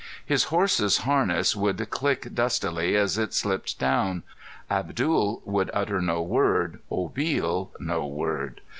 His horse's harness would click dustily as it slipped down. Abdul would utter no word, Obil no word.